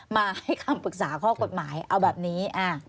มาให้คำปรึกษาข้อกฎหมายเอาแบบนี้